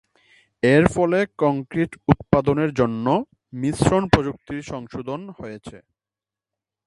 এর ফলে কংক্রিট উৎপাদনের জন্য মিশ্রণ প্রযুক্তির সংশোধন হয়েছে।